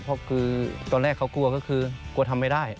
เพราะคือตอนแรกเขากลัวก็คือกลัวทำไม่ได้